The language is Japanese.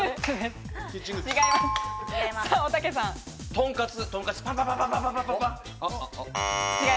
とんかつ。